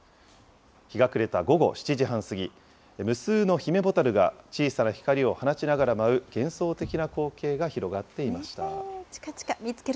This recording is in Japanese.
日が暮れた午後７時半過ぎ、無数のヒメボタルが小さな光を放ちながら舞う幻想的な光景が広がちかちか。